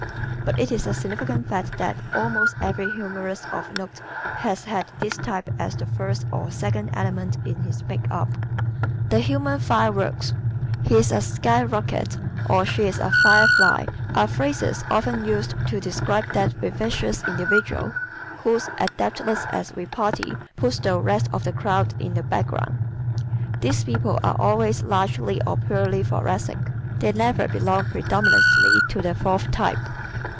But it is a significant fact that almost every humorist of note has had this type as the first or second element in his makeup. The Human Fireworks ¶ "He is a skyrocket," or "she is a firefly," are phrases often used to describe that vivacious individual whose adeptness at repartee puts the rest of the crowd in the background. These people are always largely or purely Thoracic. They never belong predominately to the fourth type.